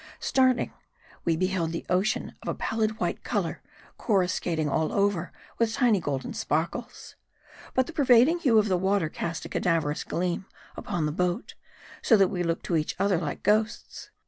Starting, we beheld the ocean of a pallid white color, corruscating all over with tiny golden sparkles. But the pervading hue of the water cast a cadaverous gleam upon the boat, so that we looked to each other like ghosts.